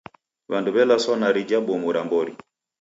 W'andu w'elaswa na rija bomu ra mbori.